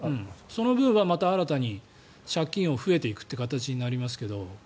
その分はまた新たに借金が増えていくという形になりますけど。